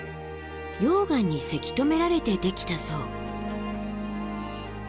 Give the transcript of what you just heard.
溶岩にせき止められてできたそう。